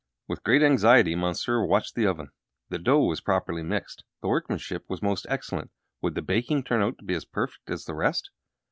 With great anxiety Monsieur watched the oven. The dough was properly mixed, the workmanship was most excellent. Would the baking turn out to be as perfect as the rest?